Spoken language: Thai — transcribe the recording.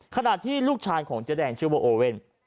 ขณะที่ลูกชายของเจ๊แดงชื่อว่าโอเว่น